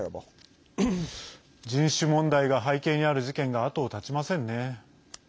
人種問題が背景にある事件が後を絶ちませんね。